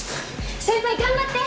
先輩頑張って！